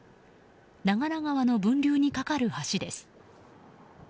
長良川の分流に架かる橋です。